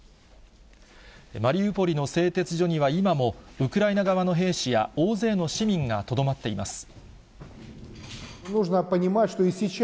マリウポリの製鉄所には、今もウクライナ側の兵士や大勢の市民がとどまっています。